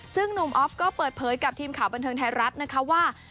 ซึ่งหนุ่มออฟก็เปิดเผยกับทีมข่าวบันเทิงไทยรัฐนะคะว่า